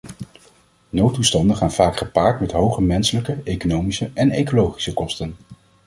Noodtoestanden gaan vaak gepaard met hoge menselijke, economische en ecologische kosten.